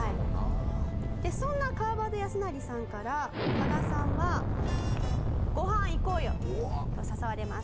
そんな川端康成さんから加賀さんは「ご飯行こうよ！」と誘われます。